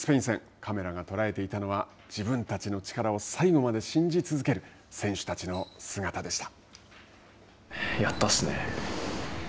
カメラが捉えていたのは、自分たちの力を最後まで信じ続ける、選手たちの姿でした。